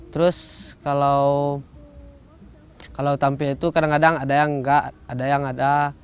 terus kalau tampil itu kadang kadang ada yang enggak ada yang ada